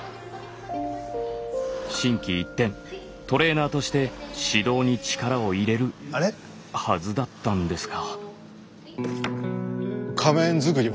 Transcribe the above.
心機一転トレーナーとして指導に力を入れるはずだったんですが。